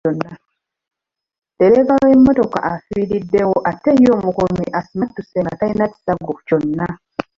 Ddereeva w’emmotoka afiiriddewo ate ye omukuumi asimattuse nga talina kisago kyonna.